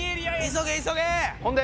急げ急げ！